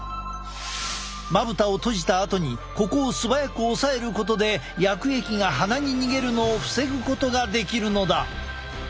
まぶたを閉じたあとにここをすばやく押さえることで薬液が鼻に逃げるのを防ぐことができるのだ！